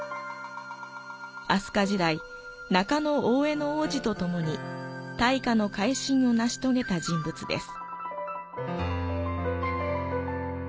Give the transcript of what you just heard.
飛鳥時代、中大兄皇子とともに大化の改新を成し遂げた人物です。